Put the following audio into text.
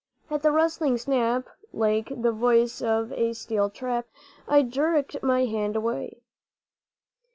At the rustling snap, like the voice of a steel trap, I jerked my hand away.